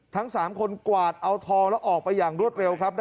ทั้ง๓คนกวาดเอาทองแล้วออกไปอย่างรวดเร็วครับ